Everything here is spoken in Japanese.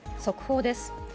速報です。